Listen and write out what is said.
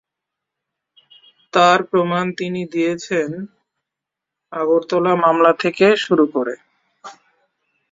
তার প্রমাণ তিনি দিয়েছেন আগরতলা মামলা থেকে শুরু করে।